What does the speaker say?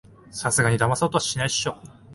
さすがにだまそうとはしないでしょ